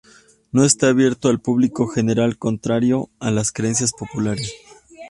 No está abierto al público general, contrario a las creencias populares.